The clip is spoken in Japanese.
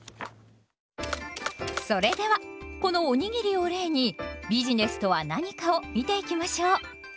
それではこのおにぎりを例にビジネスとは何かを見ていきましょう。